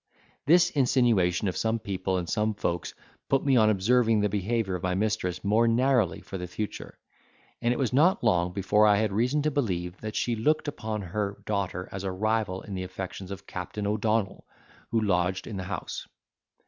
This insinuation of some people and some folks put me upon observing the behaviour of my mistress more narrowly for the future: and it was not long before I had reason to believe that she looked upon her daughter as a rival in the affections of Captain O'Donnell, who lodged in the house.